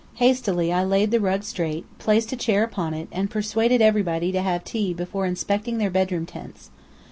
Hastily I laid the rug straight, placed a chair upon it, and persuaded everybody to have tea before inspecting their bedroom tents.